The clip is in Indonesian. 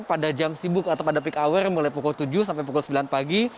pada jam sibuk atau pada peak hour mulai pukul tujuh sampai pukul sembilan pagi